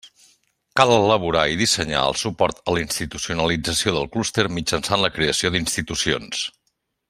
Cal elaborar i dissenyar el suport a la institucionalització del clúster mitjançant la creació d'institucions.